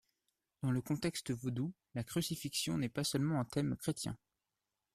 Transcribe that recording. Dans le contexte vaudou, la crucifixion n'est pas seulement un thème chrétien.